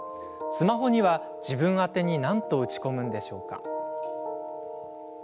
スマホには自分宛になんと打ち込むんでしょうか。